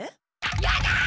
やだ！